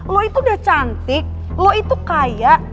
lo itu udah cantik lo itu kaya